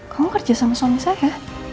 kamu kerja sama suami saya